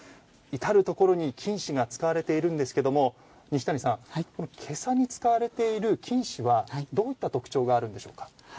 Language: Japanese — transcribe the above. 至る所に金糸が使われているんですが袈裟に使われている金糸はどういった特徴があるんでしょうか？